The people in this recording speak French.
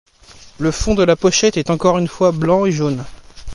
Le fond de la pochette est encore une fois blanc et jaune.